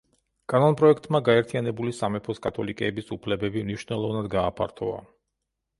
კანონპროექტმა გაერთიანებული სამეფოს კათოლიკეების უფლებები მნიშვნელოვნად გააფართოვა.